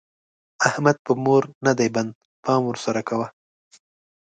احمد په مور نه دی بند؛ پام ور سره کوه.